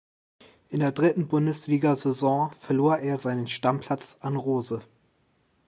In der dritten Bundesliga-Saison verlor er seinen Stammplatz an Rose.